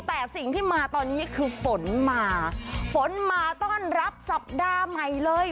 แต่สิ่งที่มาตอนนี้คือฝนมาฝนมาต้อนรับสัปดาห์ใหม่เลย